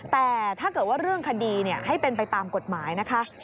แต่ถ้าเกิดว่าเรื่องคดีให้เป็นไปตามกฎหมายนะคะ